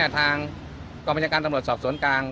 ทางกลมจาการตำรวจสวนกลาง